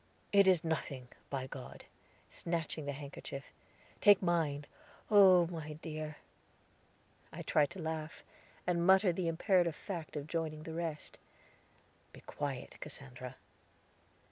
"It is nothing, by God!" snatching the handkerchief. "Take mine oh, my dear " I tried to laugh, and muttered the imperative fact of joining the rest. "Be quiet, Cassandra."